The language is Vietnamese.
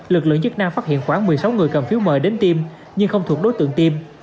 lực lượng chức năng phát hiện khoảng một mươi sáu người cầm phiếu mời đến tim nhưng không thuộc đối tượng tiêm